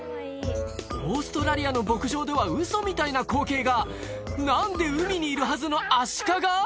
オーストラリアの牧場ではウソみたいな光景が何で海にいるはずのアシカが？